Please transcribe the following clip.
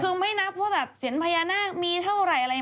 คือไม่นับว่าแบบเสียงพญานาคมีเท่าไหร่อะไร